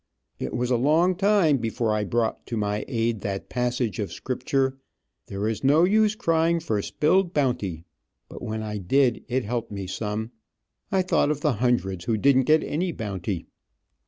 It was a long time before I brought to my aid that passage of scripture, "There is no use crying for spilled bounty," but when I did it helped me some. I thought of the hundreds who didn't get any bounty.